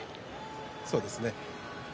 そうですね。